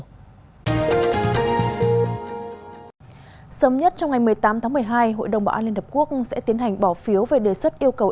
sớm nhất trong ngày một mươi tám tháng một mươi hai hội đồng bảo an liên hợp quốc sẽ tiến hành bỏ phiếu về đề xuất yêu cầu